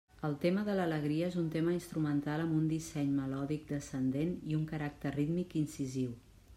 El tema de l'alegria és un tema instrumental amb un disseny melòdic descendent i un caràcter rítmic incisiu.